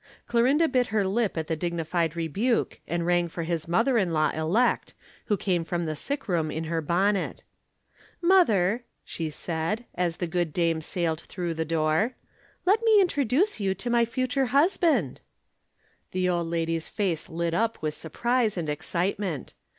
Clorinda bit her lip at the dignified rebuke, and rang for his mother in law elect, who came from the sick room in her bonnet. "Mother," she said, as the good dame sailed through the door, "let me introduce you to my future husband." [Illustration: A Family Reunion.] The old lady's face lit up with surprise and excitement.